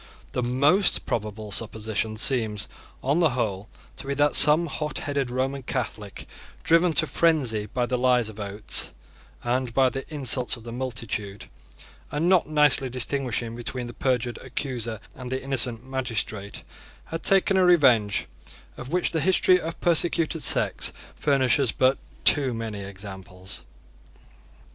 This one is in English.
The most probable supposition seems, on the whole, to be that some hotheaded Roman Catholic, driven to frenzy by the lies of Oates and by the insults of the multitude, and not nicely distinguishing between the perjured accuser and the innocent magistrate, had taken a revenge of which the history of persecuted sects furnishes but too many examples.